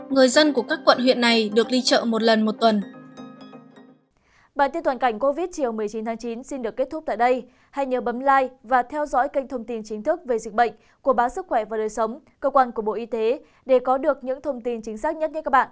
người dân của các quận huyện này được đi chợ một lần một tuần